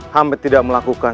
hamba tidak melakukan